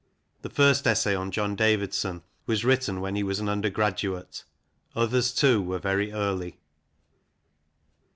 The first essay on John Davidson was written when he was an undergraduate ; others, too, were very early.